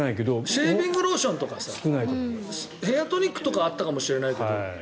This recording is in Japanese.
シェービングローションとかヘアトニックはあったかもしれないけど。